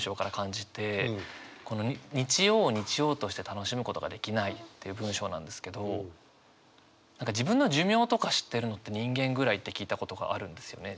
この「日曜を日曜として楽しむ事が出来ない」っていう文章なんですけど何か自分の寿命とか知ってるのって人間ぐらいって聞いたことがあるんですよね。